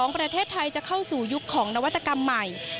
ประเทศไทยจะเข้าสู่ยุคของนวัตกรรมใหม่